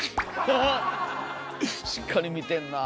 しっかり見てんなあ。